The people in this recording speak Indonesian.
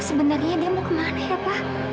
sebenarnya dia mau kemana ya pak